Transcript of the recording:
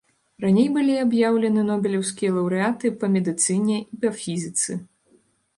Раней былі аб'яўлены нобелеўскія лаўрэаты па медыцыне і па фізіцы.